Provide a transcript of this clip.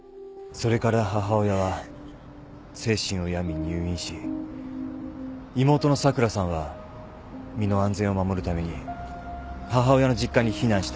それから母親は精神を病み入院し妹の咲良さんは身の安全を守るために母親の実家に避難した。